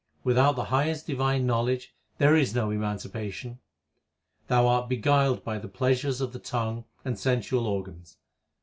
Without the highest divine knowledge there is no emanci pation. Thou art beguiled by the pleasures of the tongue and sensual organs.